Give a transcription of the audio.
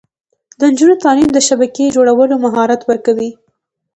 د نجونو تعلیم د شبکې جوړولو مهارت ورکوي.